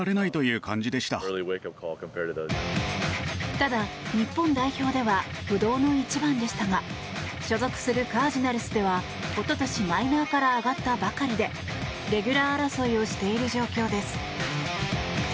ただ日本代表では不動の１番でしたが所属するカージナルスでは一昨年マイナーから上がったばかりでレギュラー争いをしている状況です。